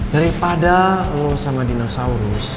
dari pada lo sama dinosaurus